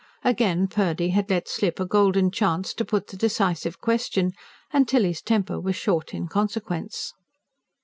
Again Purdy had let slip a golden chance to put the decisive question; and Tilly's temper was short in consequence.